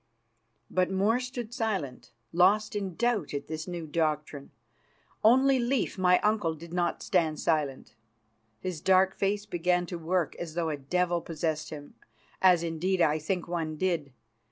But more stood silent, lost in doubt at this new doctrine. Only Leif, my uncle, did not stand silent. His dark face began to work as though a devil possessed him, as, indeed, I think one did.